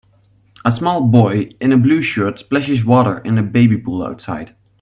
A small boy in a blue shirt splashes water in a baby pool outside.